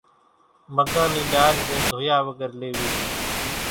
مڳان ني ڏار زين ڌويا وڳرِ ليوي سي